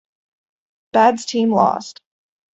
Badd's team lost.